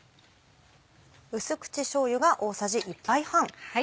淡口しょうゆが大さじ１杯半。